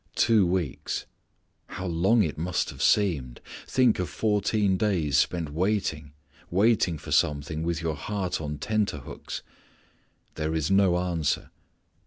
Two weeks. How long it must have seemed! Think of fourteen days spent waiting; waiting for something, with your heart on tenter hooks. There is no answer.